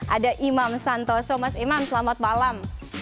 ada imam santoso mas imam selamat malam